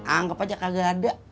anggep aja kagak ada